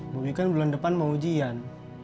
bumi kan bulan depan mau ujian